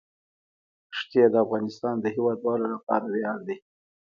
ښتې د افغانستان د هیوادوالو لپاره ویاړ دی.